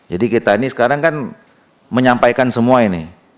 jadi kita ini sekarang kan menyampaikan semua ini